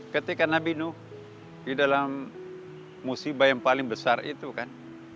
ketika nabi nuh di dalam musibah yang paling besar itu kan